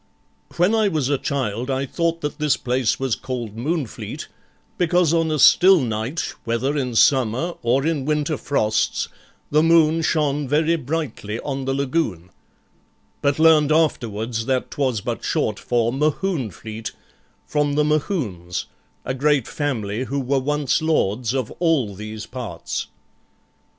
When I was a child I thought that this place was called Moonfleet, because on a still night, whether in summer, or in winter frosts, the moon shone very brightly on the lagoon; but learned afterwards that 'twas but short for 'Mohune fleet', from the Mohunes, a great family who were once lords of all these parts.